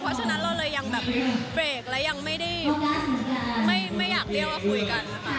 เพราะฉะนั้นเราเลยยังแบบเบรกและยังไม่ได้ไม่อยากเรียกว่าคุยกัน